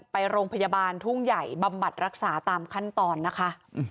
ไปโรงพยาบาลทุ่งใหญ่บำบัดรักษาตามขั้นตอนนะคะ